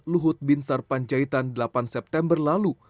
luhut bin sarpanjaitan delapan september lalu